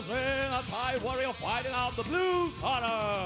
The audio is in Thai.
สวัสดีครับทุกคน